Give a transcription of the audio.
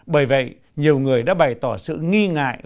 bởi vậy nhiều người đã bày tỏ sự nghi ngại